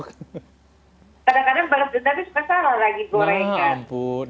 kadang kadang balas dendamnya suka salah lagi goreng kan